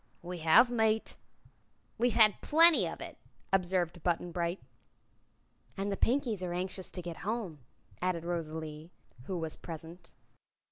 "We have, mate." "We've had plenty of it," observed Button Bright. "And the Pinkies are anxious to get home," added Rosalie, who was present.